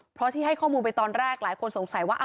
เพราะที่ให้ข้อมูลไปตอนแรกหลายคนสงสัยว่า